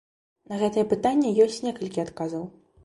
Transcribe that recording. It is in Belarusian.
На гэтае пытанне ёсць некалькі адказаў.